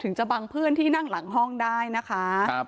จะบังเพื่อนที่นั่งหลังห้องได้นะคะ